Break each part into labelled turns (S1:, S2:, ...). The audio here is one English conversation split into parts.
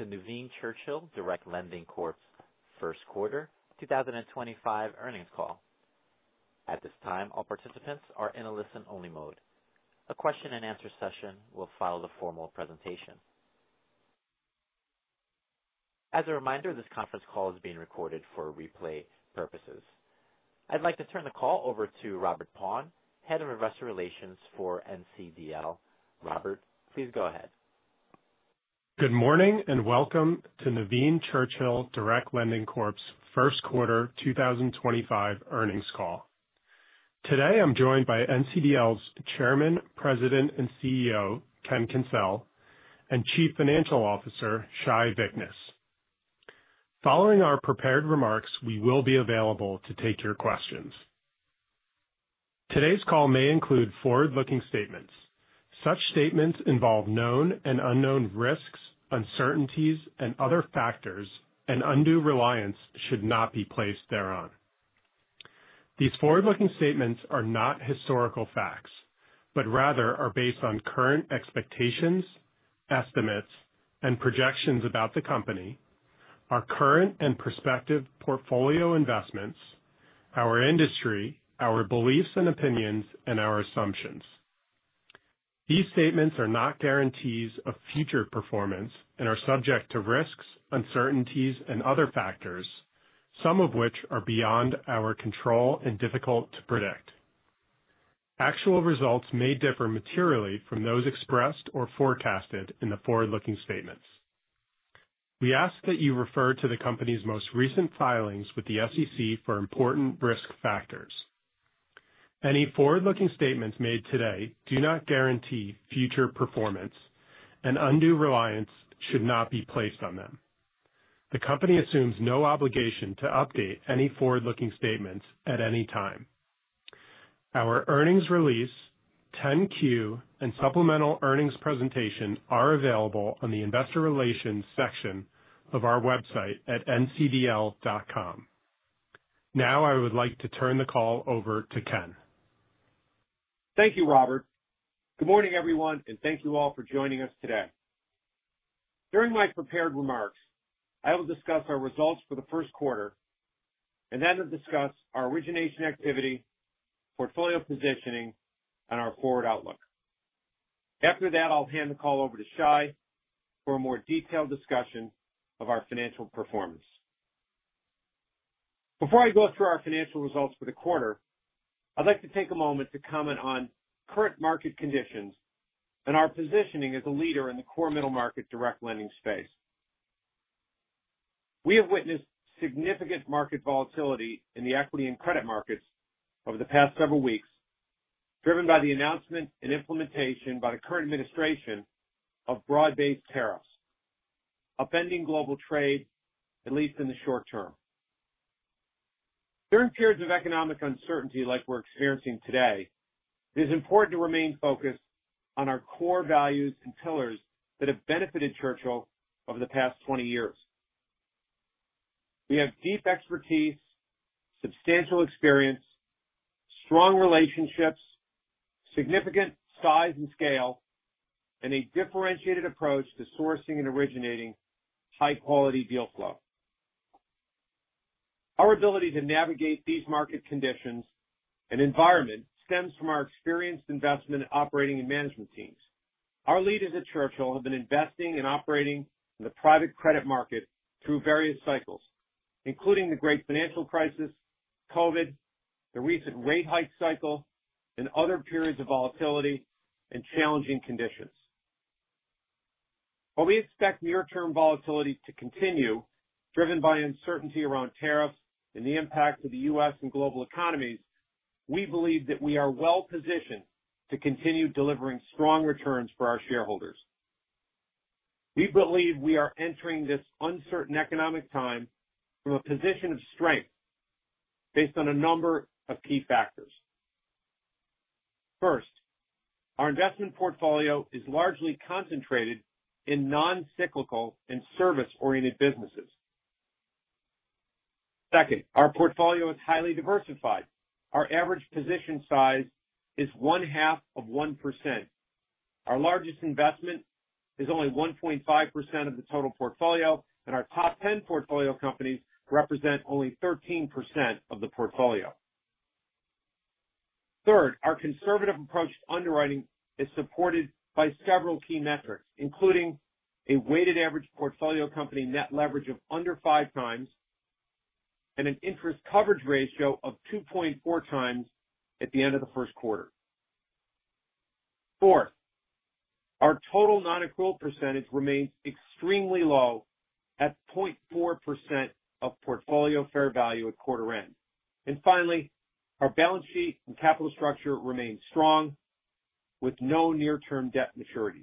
S1: Welcome to Nuveen Churchill Direct Lending Corp.'s first quarter 2025 earnings call. At this time, all participants are in a listen-only mode. A question and answer session will follow the formal presentation. As a reminder, this conference call is being recorded for replay purposes. I'd like to turn the call over to Robert Paun, Head of Investor Relations for NCDL. Robert, please go ahead.
S2: Good morning and welcome to Nuveen Churchill Direct Lending Corp.'s first quarter 2025 earnings call. Today I'm joined by NCDL's Chairman, President and CEO, Ken Kencel, and Chief Financial Officer, Shai Vichness. Following our prepared remarks, we will be available to take your questions. Today's call may include forward-looking statements. Such statements involve known and unknown risks, uncertainties and other factors, and undue reliance should not be placed thereon. These forward-looking statements are not historical facts, but rather are based on current expectations, estimates, and projections about the company, our current and prospective portfolio investments, our industry, our beliefs and opinions, and our assumptions. These statements are not guarantees of future performance and are subject to risks, uncertainties, and other factors, some of which are beyond our control and difficult to predict. Actual results may differ materially from those expressed or forecasted in the forward-looking statements. We ask that you refer to the company's most recent filings with the SEC for important risk factors. Any forward-looking statements made today do not guarantee future performance and undue reliance should not be placed on them. The company assumes no obligation to update any forward-looking statements at any time. Our earnings release, 10-Q and supplemental earnings presentation are available on the investor relations section of our website at ncdl.com. I would like to turn the call over to Ken.
S3: Thank you, Robert. Good morning, everyone, and thank you all for joining us today. During my prepared remarks, I will discuss our results for the first quarter and then discuss our origination activity, portfolio positioning, and our forward outlook. After that, I'll hand the call over to Shai for a more detailed discussion of our financial performance. Before I go through our financial results for the quarter, I'd like to take a moment to comment on current market conditions and our positioning as a leader in the core middle market direct lending space. We have witnessed significant market volatility in the equity and credit markets over the past several weeks, driven by the announcement and implementation by the current administration of broad-based tariffs, upending global trade, at least in the short term. During periods of economic uncertainty like we're experiencing today, it is important to remain focused on our core values and pillars that have benefited Churchill Asset Management over the past 20 years. We have deep expertise, substantial experience, strong relationships, significant size and scale, and a differentiated approach to sourcing and originating high-quality deal flow. Our ability to navigate these market conditions and environment stems from our experienced investment operating and management teams. Our leaders at Churchill Asset Management have been investing and operating in the private credit market through various cycles, including the great financial crisis, COVID, the recent rate hike cycle, and other periods of volatility and challenging conditions. While we expect near-term volatility to continue, driven by uncertainty around tariffs and the impact of the U.S. and global economies, we believe that we are well-positioned to continue delivering strong returns for our shareholders. We believe we are entering this uncertain economic time from a position of strength based on a number of key factors. First, our investment portfolio is largely concentrated in non-cyclical and service-oriented businesses. Second, our portfolio is highly diversified. Our average position size is 0.5%. Our largest investment is only 1.5% of the total portfolio, and our top 10 portfolio companies represent only 13% of the portfolio. Third, our conservative approach to underwriting is supported by several key metrics, including a weighted average portfolio company net leverage of under 5x and an interest coverage ratio of 2.4x at the end of the first quarter. Fourth, our total non-accrual percentage remains extremely low at 0.4% of portfolio fair value at quarter end. Finally, our balance sheet and capital structure remains strong with no near-term debt maturities.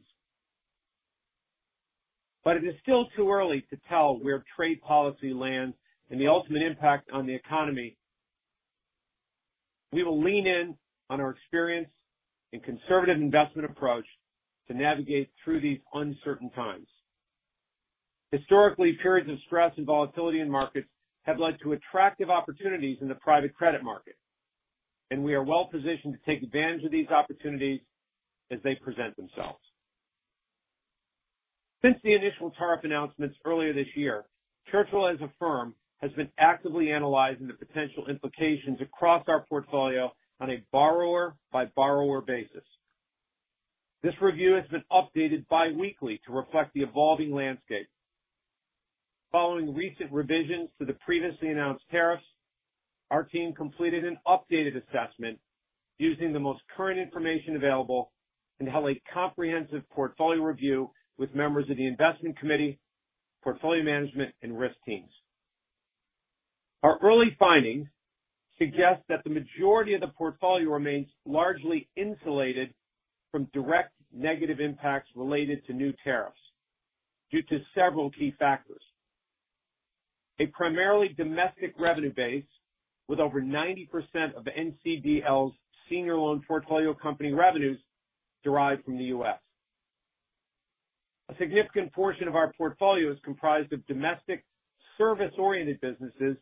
S3: It is still too early to tell where trade policy lands and the ultimate impact on the economy. We will lean in on our experience and conservative investment approach to navigate through these uncertain times. Historically, periods of stress and volatility in markets have led to attractive opportunities in the private credit market. We are well-positioned to take advantage of these opportunities as they present themselves. Since the initial tariff announcements earlier this year, Churchill, as a firm, has been actively analyzing the potential implications across our portfolio on a borrower by borrower basis. This review has been updated bi-weekly to reflect the evolving landscape. Following recent revisions to the previously announced tariffs, our team completed an updated assessment using the most current information available and held a comprehensive portfolio review with members of the investment committee, portfolio management, and risk teams. Our early findings suggest that the majority of the portfolio remains largely insulated from direct negative impacts related to new tariffs due to several key factors. A primarily domestic revenue base with over 90% of NCDL's senior loan portfolio company revenues derived from the U.S. A significant portion of our portfolio is comprised of domestic service-oriented businesses,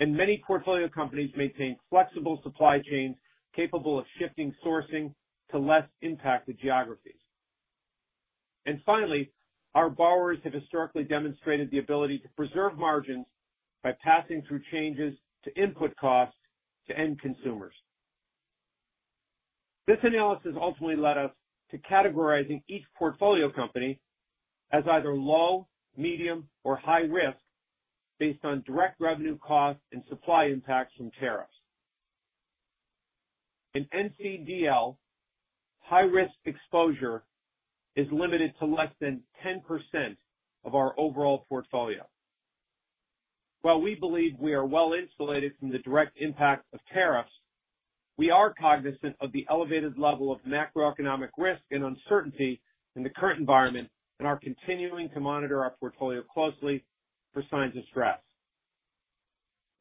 S3: and many portfolio companies maintain flexible supply chains capable of shifting sourcing to less impacted geographies. Finally, our borrowers have historically demonstrated the ability to preserve margins by passing through changes to input costs to end consumers. This analysis ultimately led us to categorizing each portfolio company as either low, medium, or high risk based on direct revenue costs and supply impacts from tariffs. In NCDL, high-risk exposure is limited to less than 10% of our overall portfolio. While we believe we are well-insulated from the direct impact of tariffs, we are cognizant of the elevated level of macroeconomic risk and uncertainty in the current environment and are continuing to monitor our portfolio closely for signs of stress.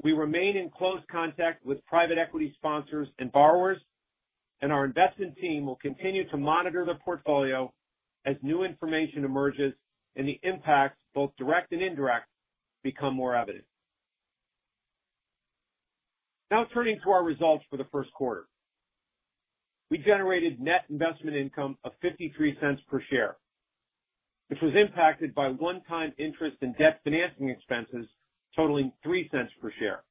S3: We remain in close contact with private equity sponsors and borrowers, and our investment team will continue to monitor the portfolio as new information emerges and the impacts, both direct and indirect, become more evident. Now turning to our results for the first quarter. We generated net investment income of $0.53 per share, which was impacted by one-time interest and debt financing expenses totaling $0.03 per share.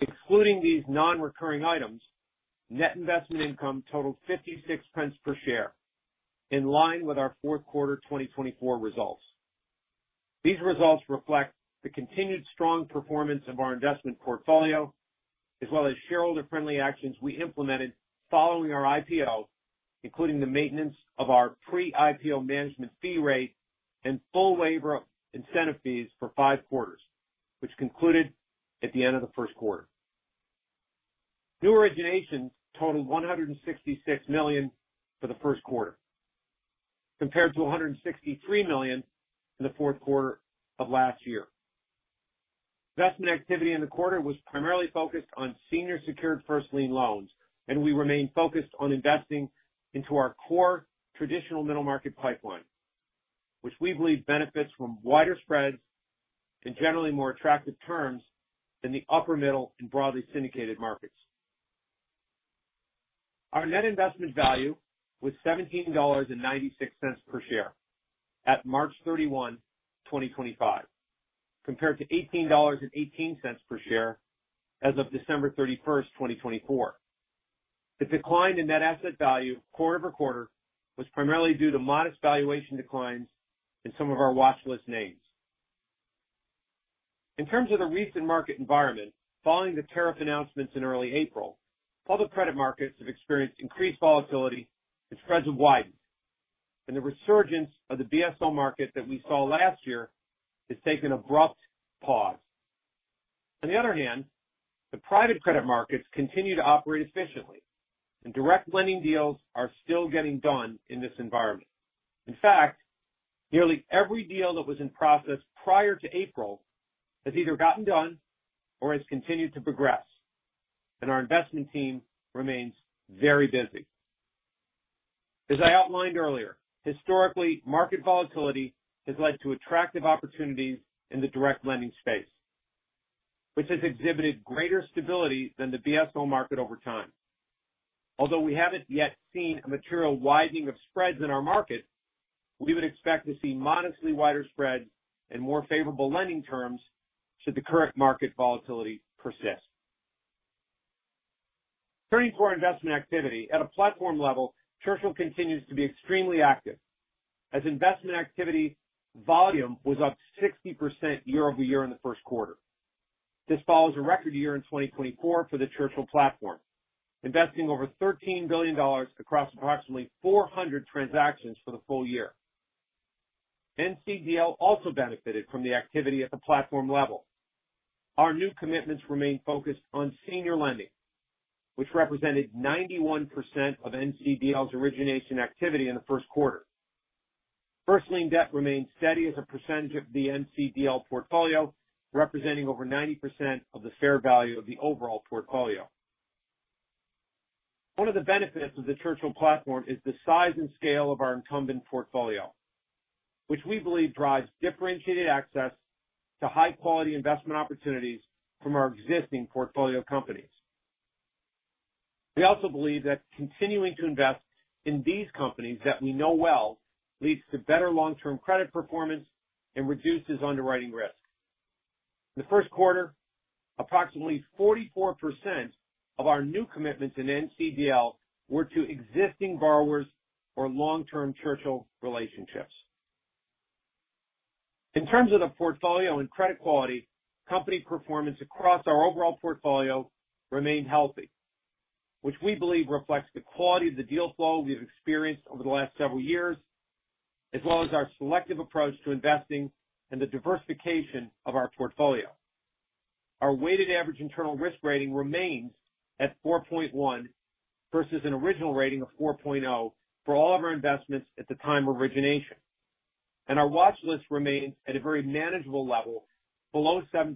S3: Excluding these non-recurring items, net investment income totaled $0.56 per share, in line with our fourth quarter 2024 results. These results reflect the continued strong performance of our investment portfolio, as well as shareholder-friendly actions we implemented following our Initial Public Offering, including the maintenance of our pre-IPO management fee rate and full waiver incentive fees for five quarters, which concluded at the end of the first quarter. New originations totaled $166 million for the first quarter compared to $163 million in the fourth quarter of last year. Investment activity in the quarter was primarily focused on senior secured first lien loans, and we remain focused on investing into our core traditional middle market pipeline, which we believe benefits from wider spreads and generally more attractive terms than the upper middle and broadly syndicated markets. Our Net Asset Value was $17.96 per share at March 31, 2025, compared to $18.18 per share as of December 31st, 2024. The decline in Net Asset Value quarter-over-quarter was primarily due to modest valuation declines in some of our watchlist names. In terms of the recent market environment, following the tariff announcements in early April, public credit markets have experienced increased volatility as spreads have widened, and the resurgence of the Broadly Syndicated Loan market that we saw last year has taken an abrupt pause. On the other hand, the private credit markets continue to operate efficiently, and direct lending deals are still getting done in this environment. In fact, nearly every deal that was in process prior to April has either gotten done or has continued to progress, and our investment team remains very busy. As I outlined earlier, historically, market volatility has led to attractive opportunities in the direct lending space, which has exhibited greater stability than the BSL market over time. Although we haven't yet seen a material widening of spreads in our market, we would expect to see modestly wider spreads and more favorable lending terms should the current market volatility persist. Turning to our investment activity. At a platform level, Churchill continues to be extremely active as investment activity volume was up 60% year-over-year in the first quarter. This follows a record year in 2024 for the Churchill platform, investing over $13 billion across approximately 400 transactions for the full year. NCDL also benefited from the activity at the platform level. Our new commitments remain focused on senior lending, which represented 91% of NCDL's origination activity in the first quarter. First lien debt remained steady as a percentage of the NCDL portfolio, representing over 90% of the fair value of the overall portfolio. One of the benefits of the Churchill platform is the size and scale of our incumbent portfolio, which we believe drives differentiated access to high quality investment opportunities from our existing portfolio companies. We also believe that continuing to invest in these companies that we know well leads to better long-term credit performance and reduces underwriting risk. In the first quarter, approximately 44% of our new commitments in NCDL were to existing borrowers or long-term Churchill relationships. In terms of the portfolio and credit quality, company performance across our overall portfolio remained healthy, which we believe reflects the quality of the deal flow we've experienced over the last several years, as well as our selective approach to investing and the diversification of our portfolio. Our weighted average internal risk rating remains at 4.1 versus an original rating of 4.0 for all of our investments at the time of origination. Our watch list remains at a very manageable level below 7%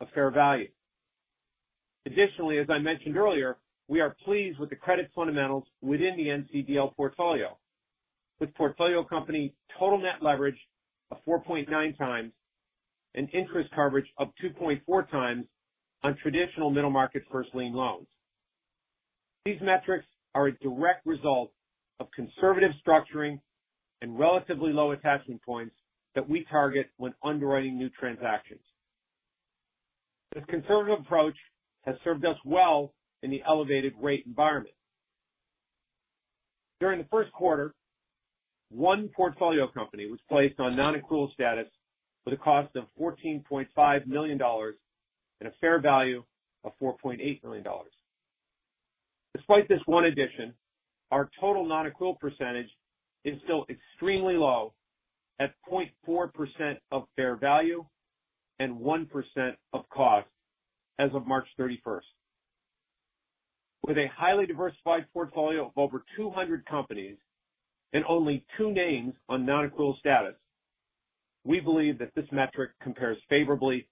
S3: of fair value. Additionally, as I mentioned earlier, we are pleased with the credit fundamentals within the NCDL portfolio, with portfolio company total net leverage of 4.9x and interest coverage of 2.4x on traditional middle market first lien loans. These metrics are a direct result of conservative structuring and relatively low attaching points that we target when underwriting new transactions. This conservative approach has served us well in the elevated rate environment. During the first quarter, one portfolio company was placed on non-accrual status with a cost of $14.5 million and a fair value of $4.8 million. Despite this one addition, our total non-accrual percentage is still extremely low, at 0.4% of fair value and 1% of cost as of March 31st. With a highly diversified portfolio of over 200 companies and only two names on non-accrual status, we believe that this metric compares favorably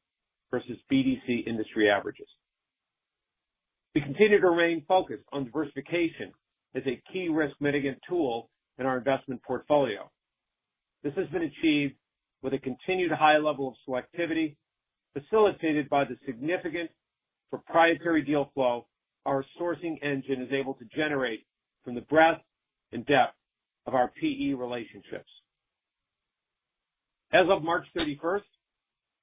S3: versus BDC industry averages. We continue to remain focused on diversification as a key risk mitigant tool in our investment portfolio. This has been achieved with a continued high level of selectivity, facilitated by the significant proprietary deal flow our sourcing engine is able to generate from the breadth and depth of our Private Equity relationships. As of March 31st,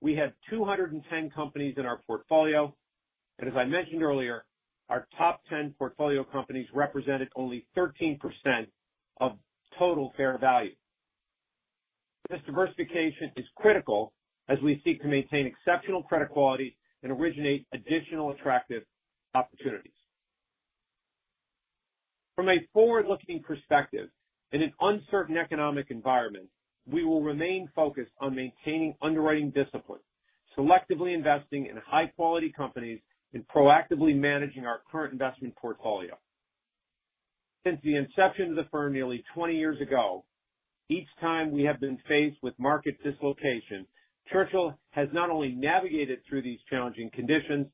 S3: we had 210 companies in our portfolio, and as I mentioned earlier, our top 10 portfolio companies represented only 13% of total fair value. This diversification is critical as we seek to maintain exceptional credit quality and originate additional attractive opportunities. From a forward-looking perspective, in an uncertain economic environment, we will remain focused on maintaining underwriting discipline, selectively investing in high quality companies, and proactively managing our current investment portfolio. Since the inception of the firm nearly 20 years ago, each time we have been faced with market dislocation, Churchill has not only navigated through these challenging conditions,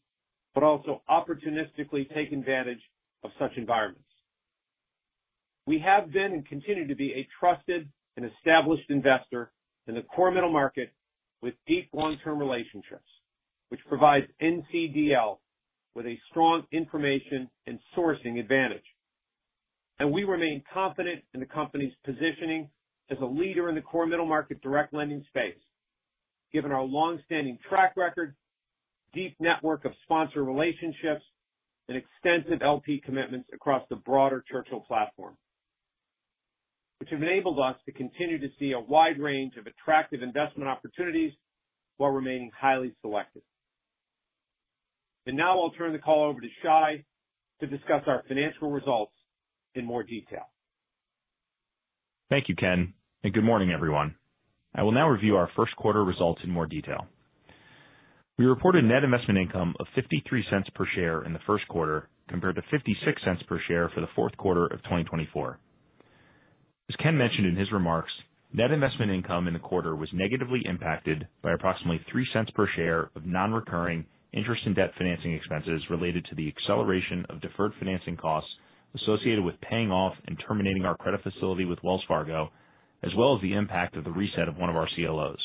S3: but also opportunistically taken advantage of such environments. We have been and continue to be a trusted and established investor in the core middle market with deep long-term relationships, which provides NCDL with a strong information and sourcing advantage. We remain confident in the company's positioning as a leader in the core middle market direct lending space, given our long-standing track record, deep network of sponsor relationships, and extensive Limited Partner commitments across the broader Churchill platform, which have enabled us to continue to see a wide range of attractive investment opportunities while remaining highly selective. Now I'll turn the call over to Shai to discuss our financial results in more detail.
S4: Thank you, Ken, and good morning, everyone. I will now review our first quarter results in more detail. We reported Net Investment Income of $0.53 per share in the first quarter, compared to $0.56 per share for the fourth quarter of 2024. As Ken mentioned in his remarks, Net Investment Income in the quarter was negatively impacted by approximately $0.03 per share of non-recurring interest and debt financing expenses related to the acceleration of deferred financing costs associated with paying off and terminating our credit facility with Wells Fargo, as well as the impact of the reset of one of our Collateralized Loan Obligations.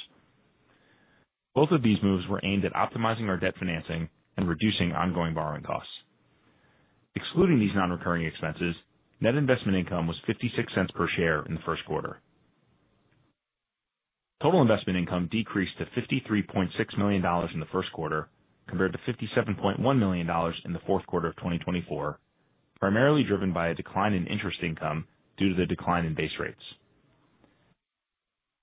S4: Both of these moves were aimed at optimizing our debt financing and reducing ongoing borrowing costs. Excluding these non-recurring expenses, Net Investment Income was $0.56 per share in the first quarter. Total Investment Income decreased to $53.6 million in the first quarter, compared to $57.1 million in the fourth quarter of 2024, primarily driven by a decline in interest income due to the decline in base rates.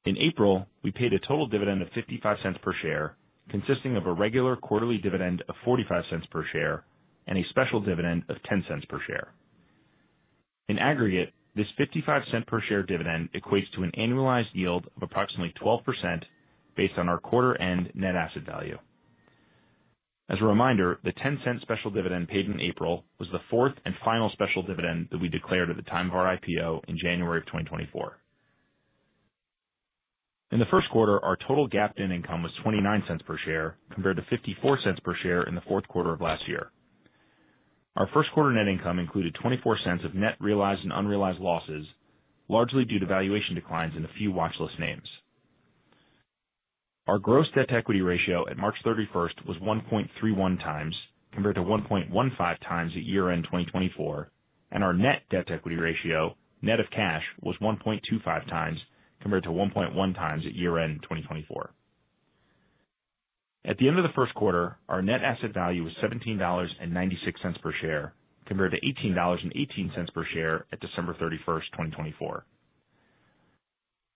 S4: In April, we paid a total dividend of $0.55 per share, consisting of a regular quarterly dividend of $0.45 per share and a special dividend of $0.10 per share. In aggregate, this $0.55 per share dividend equates to an annualized yield of approximately 12% based on our quarter-end net asset value. As a reminder, the $0.10 special dividend paid in April was the fourth and final special dividend that we declared at the time of our IPO in January of 2024. In the first quarter, our total GAAP net income was $0.29 per share compared to $0.54 per share in the fourth quarter of last year. Our first quarter net income included $0.24 of net realized and unrealized losses, largely due to valuation declines in a few watchlist names. Our gross debt-to-equity ratio at March 31st was 1.31x compared to 1.15x at year-end 2024. Our net debt-to-equity ratio, net of cash, was 1.25x compared to 1.1x at year-end 2024. At the end of the first quarter, our net asset value was $17.96 per share compared to $18.18 per share at December 31st, 2024.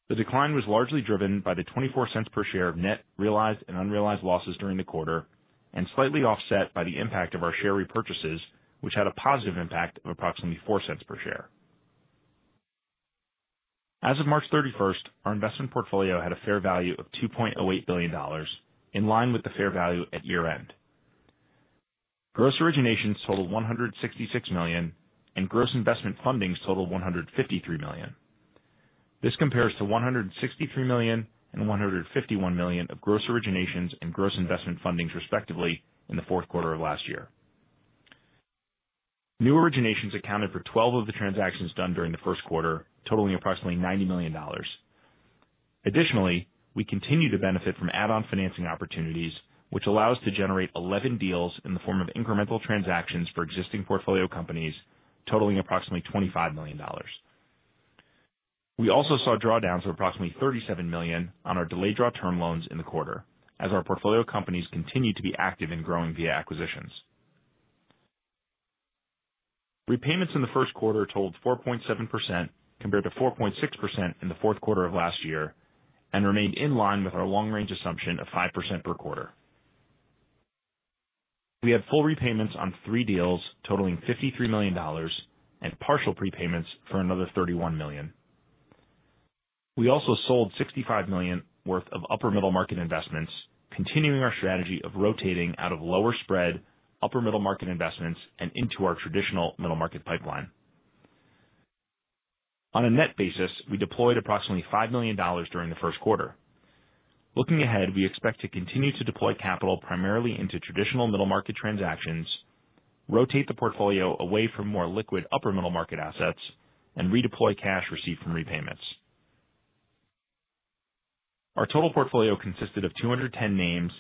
S4: The decline was largely driven by the $0.24 per share of net realized and unrealized losses during the quarter, and slightly offset by the impact of our share repurchases, which had a positive impact of approximately $0.04 per share. As of March 31st, our investment portfolio had a fair value of $2.08 billion, in line with the fair value at year-end. Gross originations totaled $166 million, and gross investment fundings totaled $153 million. This compares to $163 million and $151 million of gross originations and gross investment fundings, respectively, in the fourth quarter of last year. New originations accounted for 12 of the transactions done during the first quarter, totaling approximately $90 million. Additionally, we continue to benefit from add-on financing opportunities, which allow us to generate 11 deals in the form of incremental transactions for existing portfolio companies totaling approximately $25 million. We also saw drawdowns of approximately $37 million on our delayed draw term loans in the quarter, as our portfolio companies continue to be active in growing via acquisitions. Repayments in the first quarter totaled 4.7% compared to 4.6% in the fourth quarter of last year, and remained in line with our long-range assumption of 5% per quarter. We had full repayments on three deals totaling $53 million and partial prepayments for another $31 million. We also sold $65 million worth of upper middle market investments, continuing our strategy of rotating out of lower spread upper middle market investments and into our traditional middle market pipeline. On a net basis, we deployed approximately $5 million during the first quarter. Looking ahead, we expect to continue to deploy capital primarily into traditional middle market transactions, rotate the portfolio away from more liquid upper middle market assets, and redeploy cash received from repayments. Our total portfolio consisted of 210 names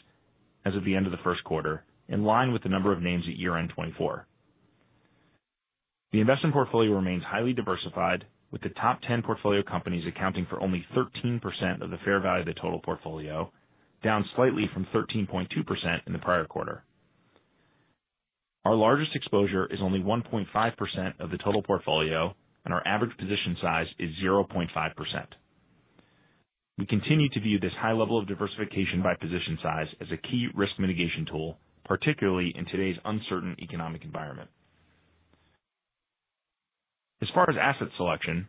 S4: as of the end of the first quarter, in line with the number of names at year-end 2024. The investment portfolio remains highly diversified, with the top 10 portfolio companies accounting for only 13% of the fair value of the total portfolio, down slightly from 13.2% in the prior quarter. Our largest exposure is only 1.5% of the total portfolio, and our average position size is 0.5%. We continue to view this high level of diversification by position size as a key risk mitigation tool, particularly in today's uncertain economic environment. As far as asset selection,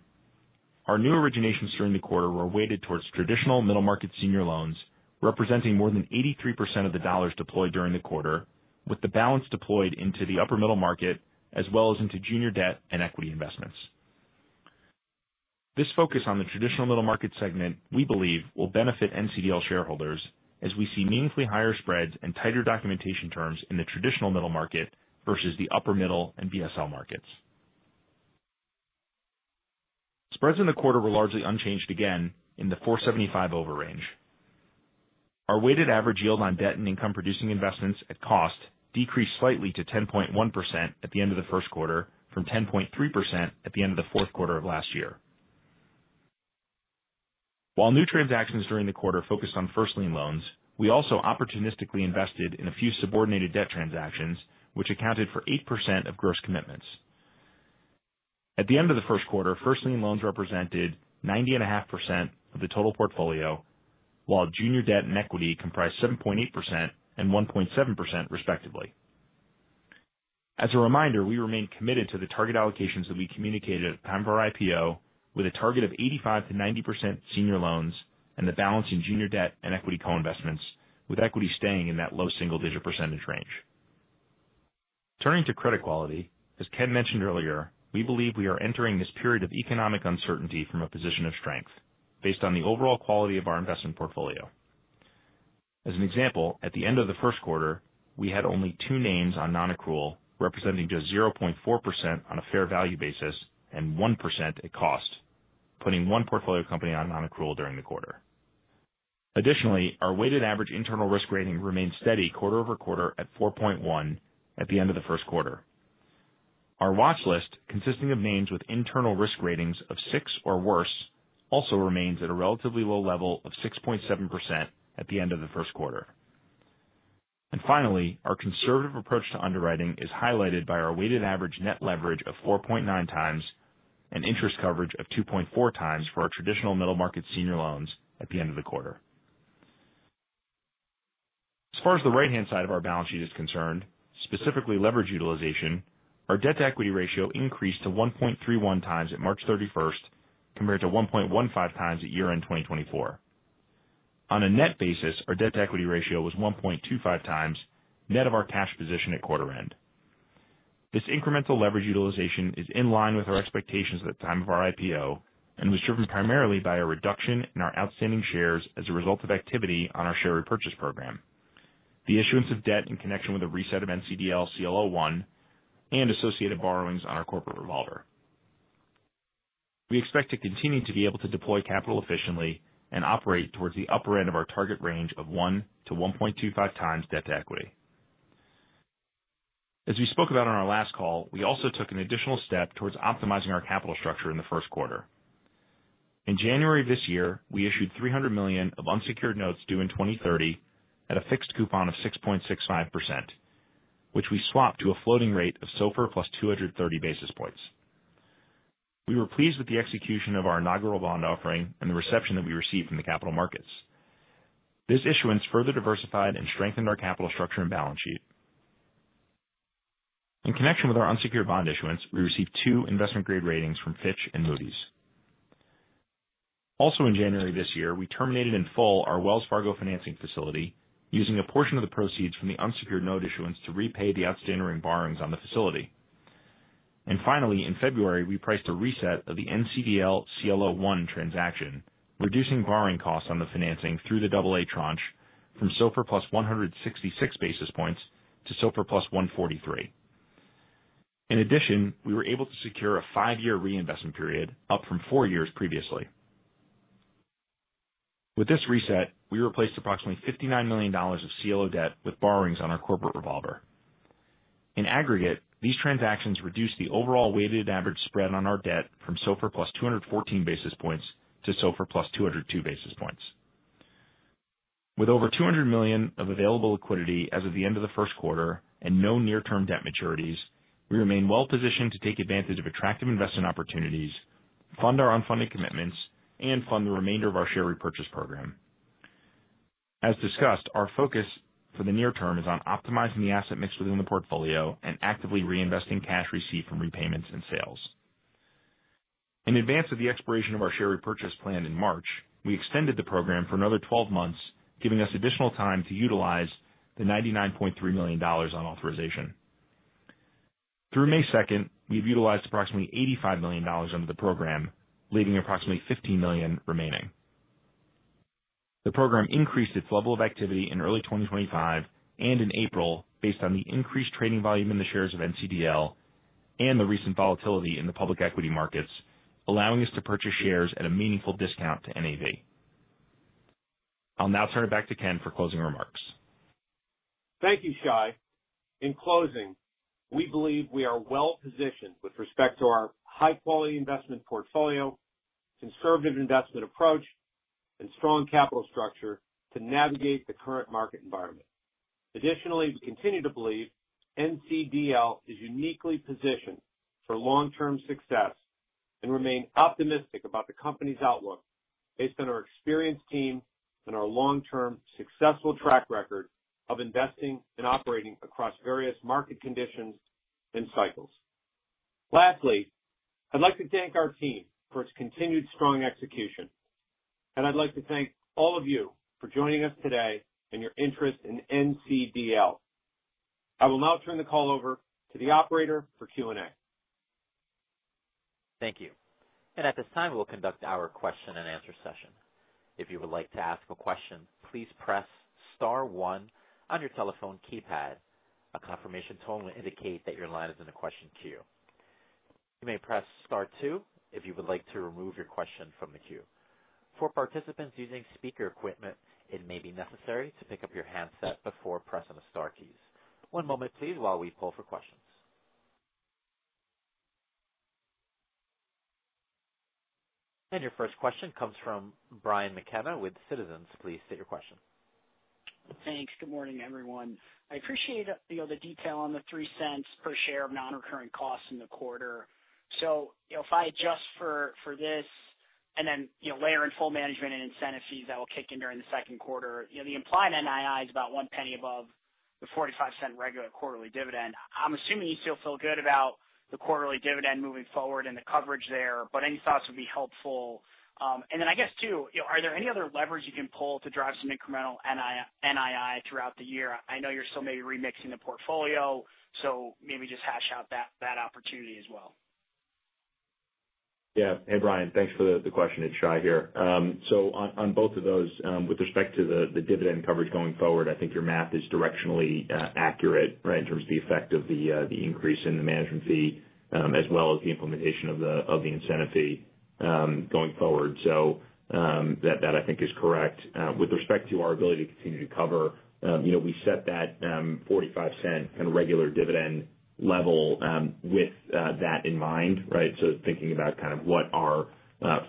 S4: our new originations during the quarter were weighted towards traditional middle market senior loans, representing more than 83% of the dollars deployed during the quarter, with the balance deployed into the upper middle market as well as into junior debt and equity investments. This focus on the traditional middle market segment, we believe, will benefit NCDL shareholders as we see meaningfully higher spreads and tighter documentation terms in the traditional middle market versus the upper middle and BSL markets. Spreads in the quarter were largely unchanged again in the 475 over range. Our weighted average yield on debt and income-producing investments at cost decreased slightly to 10.1% at the end of the first quarter from 10.3% at the end of the fourth quarter of last year. While new transactions during the quarter focused on first lien loans, we also opportunistically invested in a few subordinated debt transactions, which accounted for 8% of gross commitments. At the end of the first quarter, first lien loans represented 90.5% of the total portfolio, while junior debt and equity comprised 7.8% and 1.7%, respectively. As a reminder, we remain committed to the target allocations that we communicated at the time of our IPO with a target of 85%-90% senior loans and the balance in junior debt and equity co-investments, with equity staying in that low single-digit percentage range. Turning to credit quality, as Ken mentioned earlier, we believe we are entering this period of economic uncertainty from a position of strength based on the overall quality of our investment portfolio. As an example, at the end of the first quarter, we had only two names on non-accrual, representing just 0.4% on a fair value basis and 1% at cost, putting one portfolio company on non-accrual during the quarter. Additionally, our weighted average internal risk rating remained steady quarter-over-quarter at 4.1 at the end of the first quarter. Our watchlist, consisting of names with internal risk ratings of 6% or worse, also remains at a relatively low level of 6.7% at the end of the first quarter. Finally, our conservative approach to underwriting is highlighted by our weighted average net leverage of 4.9x and interest coverage of 2.4x for our traditional middle market senior loans at the end of the quarter. As far as the right-hand side of our balance sheet is concerned, specifically leverage utilization, our debt-to-equity ratio increased to 1.31x at March 31st compared to 1.15x at year-end 2024. On a net basis, our debt-to-equity ratio was 1.25x net of our cash position at quarter end. This incremental leverage utilization is in line with our expectations at the time of our IPO and was driven primarily by a reduction in our outstanding shares as a result of activity on our share repurchase program, the issuance of debt in connection with a reset of NCDL CLO I and associated borrowings on our corporate revolver. We expect to continue to be able to deploy capital efficiently and operate towards the upper end of our target range of 1x-1.25x debt to equity. As we spoke about on our last call, we also took an additional step towards optimizing our capital structure in the first quarter. In January of this year, we issued $300 million of unsecured notes due in 2030 at a fixed coupon of 6.65%, which we swapped to a floating rate of Secured Overnight Financing Rate plus 230 basis points. We were pleased with the execution of our inaugural bond offering and the reception that we received from the capital markets. This issuance further diversified and strengthened our capital structure and balance sheet. In connection with our unsecured bond issuance, we received two investment grade ratings from Fitch and Moody's. Also in January this year, we terminated in full our Wells Fargo financing facility using a portion of the proceeds from the unsecured note issuance to repay the outstanding borrowings on the facility. Finally, in February, we priced a reset of the NCDL CLO I transaction, reducing borrowing costs on the financing through the AA tranche from SOFR plus 166 basis points to SOFR plus 143 basis points. In addition, we were able to secure a five-year reinvestment period, up from four years previously. With this reset, we replaced approximately $59 million of CLO debt with borrowings on our corporate revolver. In aggregate, these transactions reduced the overall weighted average spread on our debt from SOFR plus 214 basis points to SOFR plus 202 basis points. With over $200 million of available liquidity as of the end of the first quarter and no near term debt maturities, we remain well positioned to take advantage of attractive investment opportunities, fund our unfunded commitments and fund the remainder of our share repurchase program. As discussed, our focus for the near term is on optimizing the asset mix within the portfolio and actively reinvesting cash received from repayments and sales. In advance of the expiration of our share repurchase plan in March, we extended the program for another 12 months, giving us additional time to utilize the $99.3 million on authorization. Through May 2nd, we've utilized approximately $85 million under the program, leaving approximately $15 million remaining. The program increased its level of activity in early 2025 and in April based on the increased trading volume in the shares of NCDL and the recent volatility in the public equity markets, allowing us to purchase shares at a meaningful discount to NAV. I'll now turn it back to Ken for closing remarks.
S3: Thank you, Shai. In closing, we believe we are well positioned with respect to our high quality investment portfolio, conservative investment approach, and strong capital structure to navigate the current market environment. Additionally, we continue to believe NCDL is uniquely positioned for long-term success and remain optimistic about the company's outlook based on our experienced team and our long-term successful track record of investing and operating across various market conditions and cycles. Lastly, I'd like to thank our team for its continued strong execution. I'd like to thank all of you for joining us today and your interest in NCDL. I will now turn the call over to the operator for Q&A.
S1: Thank you. At this time, we'll conduct our question and answer session. If you like to ask question, please star one on your telephone keypad. A confirmation tone will indicate that your line on the question queue. You may press star two, if you like to remove your question from the queue. For participants using speaker equipment, it may be necessary to pick up your handset before pressing the star key. One moment please while we poll the question. Your first question comes from Brian McKenna with Citizens JMP. Please state your question.
S5: Thanks. Good morning, everyone. I appreciate, you know, the detail on the $0.03 per share of non-recurring costs in the quarter. You know, if I adjust for this and then, you know, layer in full management and incentive fees that will kick in during the second quarter, you know, the implied NII is about $0.01 above the $0.45 regular quarterly dividend. I'm assuming you still feel good about the quarterly dividend moving forward and the coverage there. Any thoughts would be helpful. I guess, too, you know, are there any other levers you can pull to drive some incremental NII throughout the year? I know you're still maybe remixing the portfolio, maybe just hash out that opportunity as well.
S4: Hey, Brian. Thanks for the question. It's Shai here. On both of those, with respect to the dividend coverage going forward, I think your math is directionally accurate, right, in terms of the effect of the increase in the management fee, as well as the implementation of the incentive fee going forward. That I think is correct. With respect to our ability to continue to cover, you know, we set that $0.45 kind of regular dividend level with that in mind, right? Thinking about kind of what our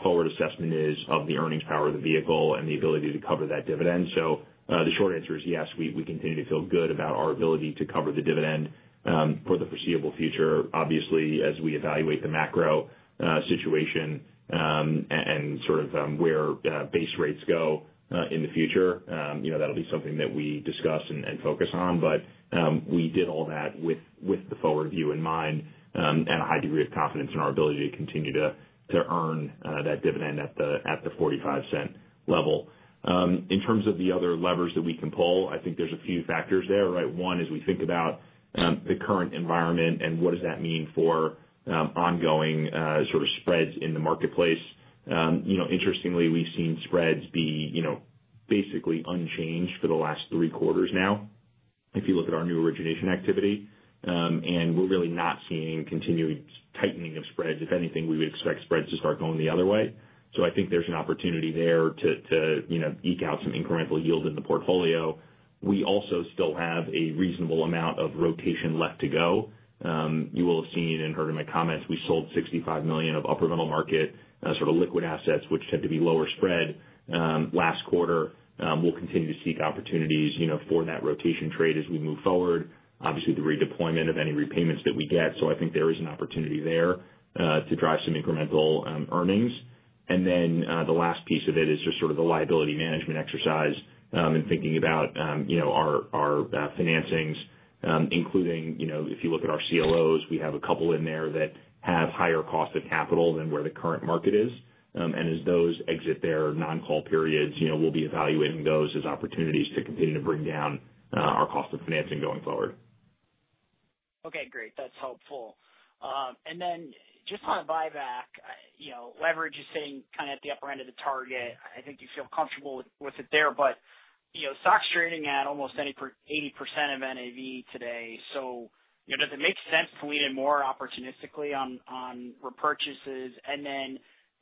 S4: forward assessment is of the earnings power of the vehicle and the ability to cover that dividend. The short answer is yes, we continue to feel good about our ability to cover the dividend for the foreseeable future. Obviously, as we evaluate the macro situation, and sort of where base rates go in the future, you know, that'll be something that we discuss and focus on. We did all that with the forward view in mind, and a high degree of confidence in our ability to continue to earn that dividend at the $0.45 level. In terms of the other levers that we can pull, I think there's a few factors there, right? One is we think about the current environment and what does that mean for ongoing sort of spreads in the marketplace. You know, interestingly, we've seen spreads be, you know, basically unchanged for the last three quarters now, if you look at our new origination activity. We're really not seeing continued tightening of spreads. If anything, we would expect spreads to start going the other way. I think there's an opportunity there to, you know, eke out some incremental yield in the portfolio. We also still have a reasonable amount of rotation left to go. You will have seen and heard in my comments, we sold $65 million of upper middle market sort of liquid assets, which tend to be lower spread last quarter. We'll continue to seek opportunities, you know, for that rotation trade as we move forward. The redeployment of any repayments that we get. I think there is an opportunity there to drive some incremental earnings. The last piece of it is just sort of the liability management exercise in thinking about, you know, our financings, including, you know, if you look at our CLOs, we have a couple in there that have higher cost of capital than where the current market is. As those exit their non-call periods, you know, we'll be evaluating those as opportunities to continue to bring down our cost of financing going forward.
S5: Okay, great. That's helpful. Then just on buyback, you know, leverage is sitting kind of at the upper end of the target. I think you feel comfortable with it there. You know, stock's trading at almost 80% of NAV today. You know, does it make sense to lean in more opportunistically on repurchases?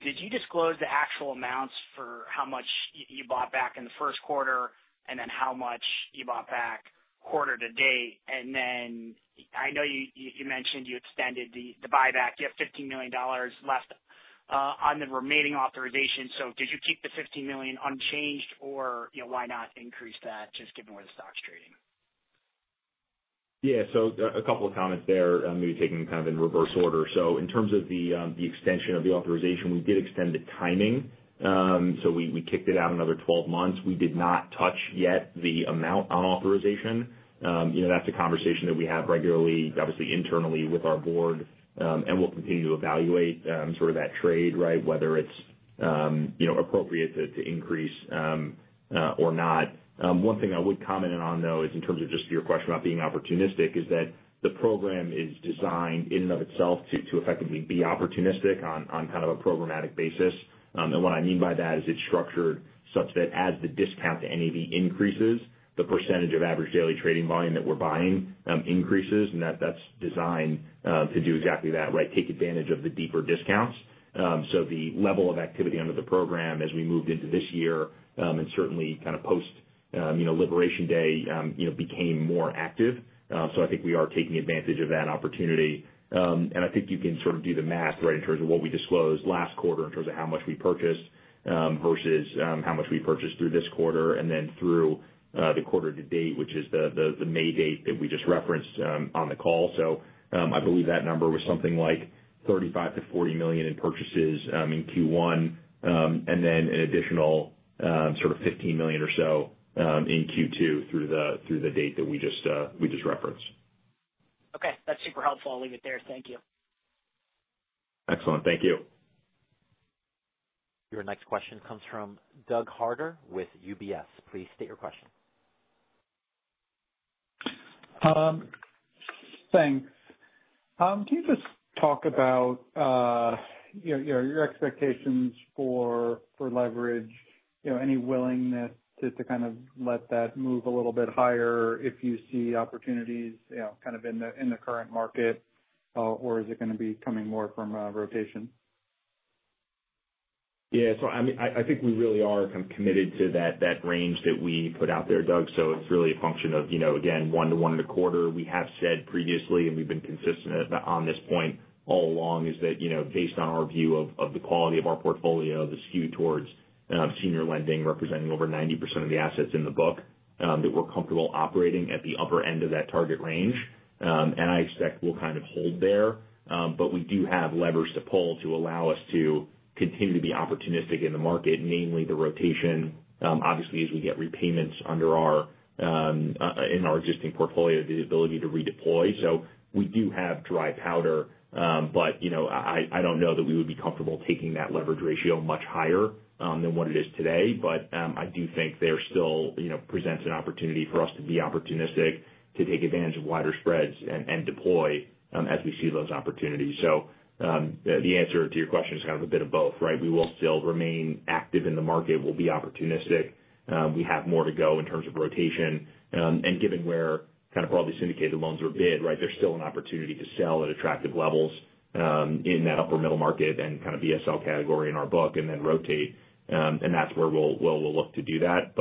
S5: Did you disclose the actual amounts for how much you bought back in the first quarter, and how much you bought back quarter to date? I know you mentioned you extended the buyback. You have $15 million left on the remaining authorization. Did you keep the $15 million unchanged or, you know, why not increase that just given where the stock's trading?
S4: Yeah. A couple of comments there. Maybe taking kind of in reverse order. In terms of the extension of the authorization, we did extend the timing. We kicked it out another 12 months. We did not touch yet the amount on authorization. You know, that's a conversation that we have regularly, obviously internally with our board. And we'll continue to evaluate sort of that trade, right? Whether it's, you know, appropriate to increase or not. One thing I would comment on though, is in terms of just your question about being opportunistic, is that the program is designed in and of itself to effectively be opportunistic on kind of a programmatic basis. What I mean by that is it's structured such that as the discount to NAV increases, the percentage of average daily trading volume that we're buying increases. That's designed to do exactly that, right? Take advantage of the deeper discounts. The level of activity under the program as we moved into this year, and certainly kind of post-Liberation Day, became more active. I think we are taking advantage of that opportunity. I think you can sort of do the math, right, in terms of what we disclosed last quarter in terms of how much we purchased versus how much we purchased through this quarter and then through the quarter to date, which is the May date that we just referenced on the call. I believe that number was something like $35 million-$40 million in purchases, in Q1, an additional, sort of $15 million or so, in Q2 through the date that we just referenced.
S5: Okay, that's super helpful. I'll leave it there. Thank you.
S4: Excellent. Thank you.
S1: Your next question comes from Doug Harter with UBS. Please state your question.
S6: Thanks. Can you just talk about, you know, your expectations for leverage? You know, any willingness to kind of let that move a little bit higher if you see opportunities, you know, kind of in the, in the current market, or is it gonna be coming more from, rotation?
S4: Yeah. I think we really are committed to that range that we put out there, Doug. It's really a function of, again, one to 1.25. We have said previously, and we've been consistent on this point all along, is that, based on our view of the quality of our portfolio that's skewed towards senior lending representing over 90% of the assets in the book, that we're comfortable operating at the upper end of that target range. I expect we'll hold there. We do have levers to pull to allow us to continue to be opportunistic in the market, namely the rotation. Obviously as we get repayments under our in our existing portfolio, the ability to redeploy. We do have dry powder. You know, I don't know that we would be comfortable taking that leverage ratio much higher than what it is today. I do think there still, you know, presents an opportunity for us to be opportunistic, to take advantage of wider spreads and deploy as we see those opportunities. The answer to your question is kind of a bit of both, right? We will still remain active in the market. We'll be opportunistic. We have more to go in terms of rotation. Given where kind of broadly syndicated loans are bid, right, there's still an opportunity to sell at attractive levels in that upper middle market and kind of BSL category in our book and then rotate. That's where we'll look to do that.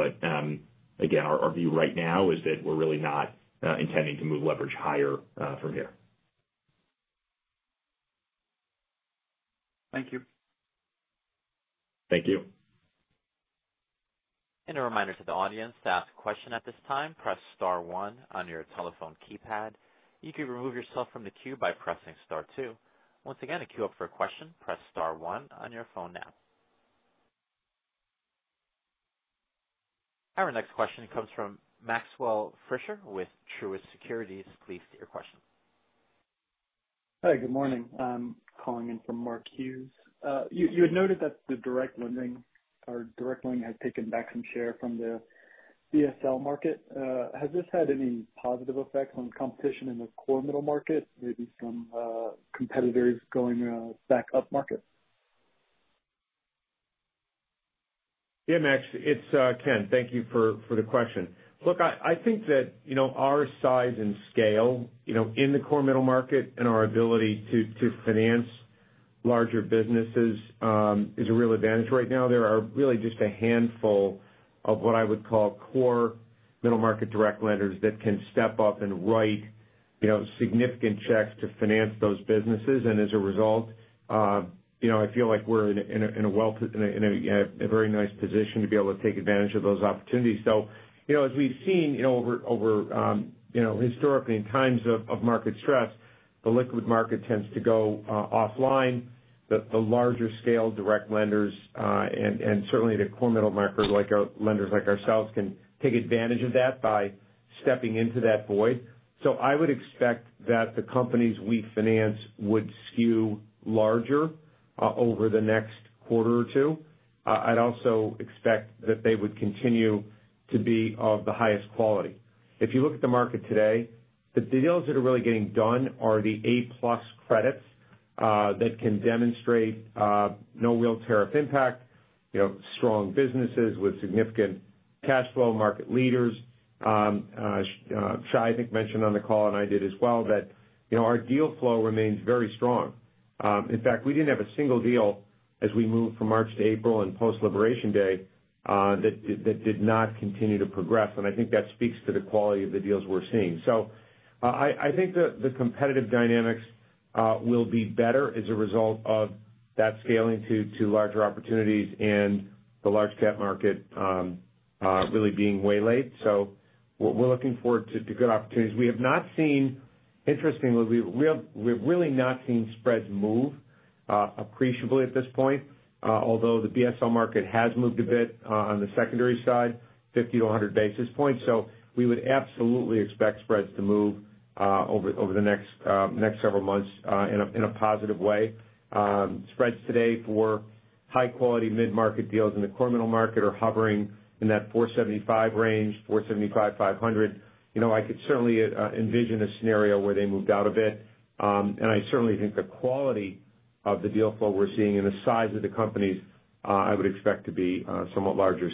S4: Again, our view right now is that we're really not intending to move leverage higher from here.
S6: Thank you.
S4: Thank you.
S1: A reminder to the audience, to ask a question at this time, press star one on your telephone keypad. You can remove yourself from the queue by pressing star two. Once again, to queue up for a question, press star one on your phone now. Our next question comes from Maxwell Fritscher with Truist Securities. Please state your question.
S7: Hi, good morning. I'm calling in for Mark Hughes. You had noted that the direct lending or direct lending had taken back some share from the BSL market, has this had any positive effect on competition in the core middle market, maybe some competitors going back up market?
S3: Yeah, Max, it's Ken. Thank you for the question. I think that, you know, our size and scale, you know, in the core middle market and our ability to finance larger businesses is a real advantage right now. There are really just a handful of what I would call core middle market direct lenders that can step up and write, you know, significant checks to finance those businesses. As a result, you know, I feel like we're in a very nice position to be able to take advantage of those opportunities. You know, as we've seen, you know, over, historically in times of market stress, the liquid market tends to go offline. The larger scale direct lenders, and certainly the core middle market, lenders like ourselves, can take advantage of that by stepping into that void. I would expect that the companies we finance would skew larger over the next quarter or two. I'd also expect that they would continue to be of the highest quality. If you look at the market today, the deals that are really getting done are the A+ credits that can demonstrate no real tariff impact, you know, strong businesses with significant cash flow market leaders. Shai, I think, mentioned on the call, and I did as well, that, you know, our deal flow remains very strong. In fact, we didn't have a single deal as we moved from March to April and post-Liberation Day that did not continue to progress. I think that speaks to the quality of the deals we're seeing. I think the competitive dynamics will be better as a result of that scaling to larger opportunities and the large cap market really being waylaid. We're looking forward to good opportunities. We have not seen Interestingly, we've really not seen spreads move appreciably at this point, although the BSL market has moved a bit on the secondary side, 50-100 basis points. We would absolutely expect spreads to move over the next several months in a positive way. Spreads today for high quality mid-market deals in the core middle market are hovering in that 475 range, 475-500. You know, I could certainly envision a scenario where they moved out a bit. I certainly think the quality of the deal flow we're seeing and the size of the companies, I would expect to be somewhat larger.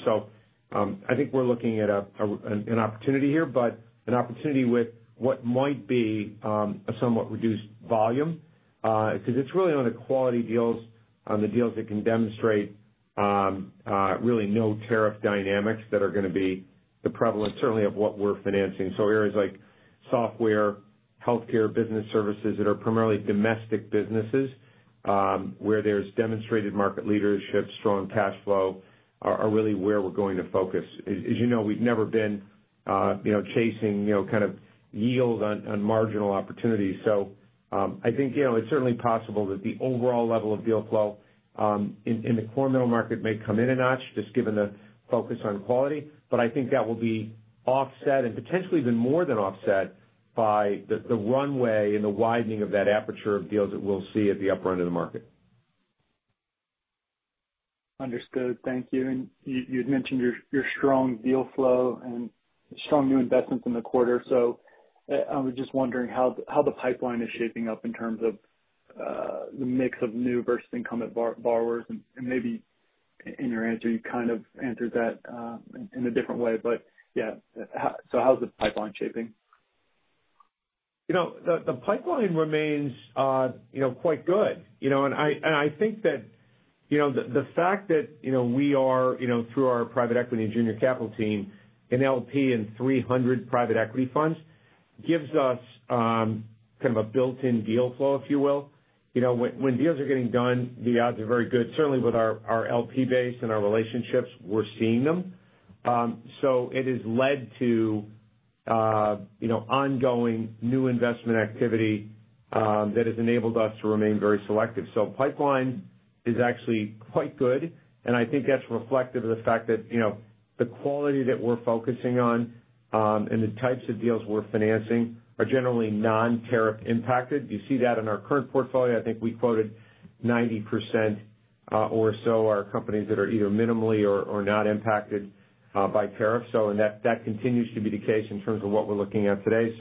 S3: I think we're looking at an opportunity here, but an opportunity with what might be a somewhat reduced volume, because it's really on the quality deals, on the deals that can demonstrate really no tariff dynamics that are gonna be the prevalent, certainly of what we're financing. Areas like Software, Healthcare, and Business Services that are primarily domestic businesses, where there's demonstrated market leadership, strong cash flow, are really where we're going to focus. As you know, we've never been, you know, chasing, you know, kind of yield on marginal opportunities. I think, you know, it's certainly possible that the overall level of deal flow, in the core middle market may come in a notch, just given the focus on quality. I think that will be offset and potentially even more than offset by the runway and the widening of that aperture of deals that we'll see at the upper end of the market.
S7: Understood. Thank you. You'd mentioned your strong deal flow and strong new investments in the quarter. I was just wondering how the pipeline is shaping up in terms of the mix of new versus incumbent borrowers, and maybe in your answer you kind of answered that in a different way. Yeah, how's the pipeline shaping?
S3: You know, the pipeline remains, you know, quite good. You know, and I think that, you know, the fact that, you know, we are, you know, through our Private Equity and Junior Capital Team, an LP in 300 private equity funds, gives us kind of a built-in deal flow, if you will. You know, when deals are getting done, the odds are very good. Certainly with our LP base and our relationships, we're seeing them. It has led to, you know, ongoing new investment activity that has enabled us to remain very selective. Pipeline is actually quite good, and I think that's reflective of the fact that, you know, the quality that we're focusing on, and the types of deals we're financing are generally non-tariff impacted. You see that in our current portfolio. I think we quoted 90% or so are companies that are either minimally or not impacted by tariffs. That continues to be the case in terms of what we're looking at today.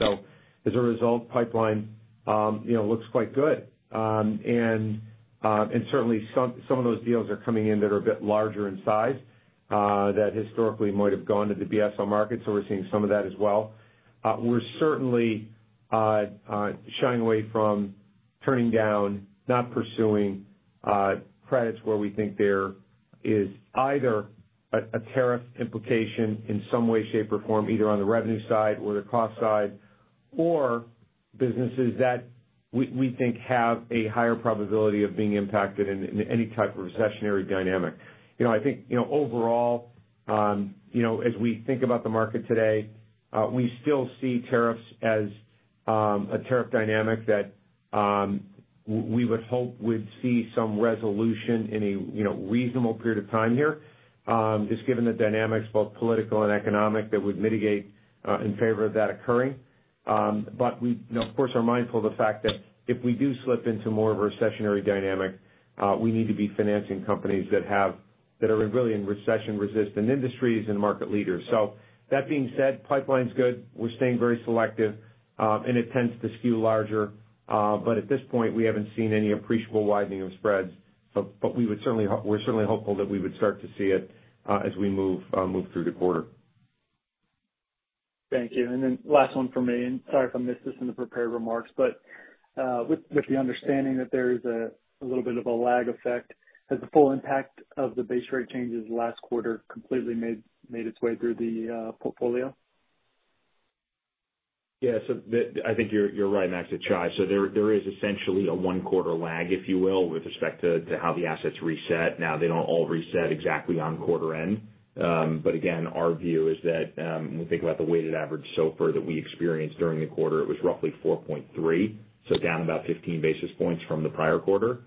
S3: As a result, pipeline, you know, looks quite good. Certainly some of those deals are coming in that are a bit larger in size that historically might have gone to the BSL market, we're seeing some of that as well. We're certainly shying away from turning down, not pursuing credits where we think there is either a tariff implication in some way, shape, or form, either on the revenue side or the cost side, or businesses that we think have a higher probability of being impacted in any type of recessionary dynamic. You know, I think, you know, overall, you know, as we think about the market today, we still see tariffs as a tariff dynamic that we would hope we'd see some resolution in a, you know, reasonable period of time here, just given the dynamics, both political and economic, that would mitigate in favor of that occurring. We, you know, of course, are mindful of the fact that if we do slip into more of a recessionary dynamic, we need to be financing companies that are really in recession-resistant industries and market leaders. That being said, pipeline's good. We're staying very selective, and it tends to skew larger. At this point, we haven't seen any appreciable widening of spreads, but we're certainly hopeful that we would start to see it, as we move through the quarter.
S7: Thank you. Last one from me, and sorry if I missed this in the prepared remarks, but, with the understanding that there is a little bit of a lag effect, has the full impact of the base rate changes last quarter completely made its way through the portfolio?
S4: Yeah. I think you're right, Max. It's Shai. There is essentially a one-quarter lag, if you will, with respect to how the assets reset. Now they don't all reset exactly on quarter end. Again, our view is that when we think about the weighted average SOFR that we experienced during the quarter, it was roughly 4.3, down about 15 basis points from the prior quarter.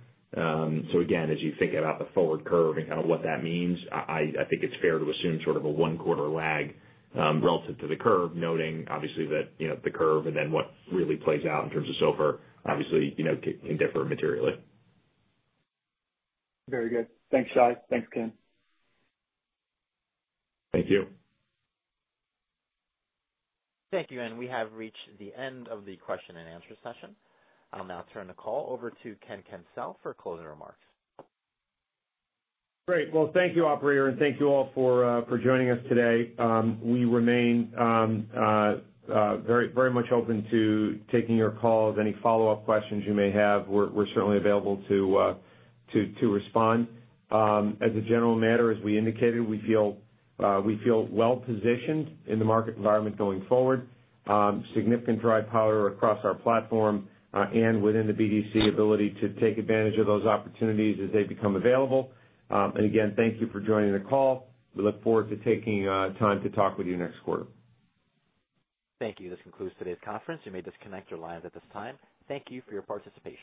S4: Again, as you think about the forward curve and kind of what that means, I think it's fair to assume sort of a one-quarter lag relative to the curve, noting obviously that, you know, the curve and then what really plays out in terms of SOFR obviously, can differ materially.
S7: Very good. Thanks, Shai. Thanks, Ken.
S4: Thank you.
S1: Thank you. We have reached the end of the question and answer session. I'll now turn the call over to Ken Kencel for closing remarks.
S3: Great. Well, thank you, operator, and thank you all for joining us today. We remain very much open to taking your calls. Any follow-up questions you may have, we're certainly available to respond. As a general matter, as we indicated, we feel well-positioned in the market environment going forward. Significant dry powder across our platform and within the BDC ability to take advantage of those opportunities as they become available. And again, thank you for joining the call. We look forward to taking time to talk with you next quarter.
S1: Thank you. This concludes today's conference. You may disconnect your lines at this time. Thank you for your participation.